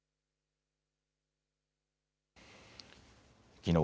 きのう